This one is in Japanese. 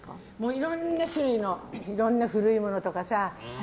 いろんな種類のいろんな古いものとか。